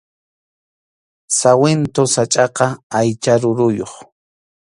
Sawintu sachʼaqa aycha ruruyuq